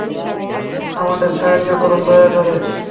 আমাদের সাহায্য করুন, দয়া করে!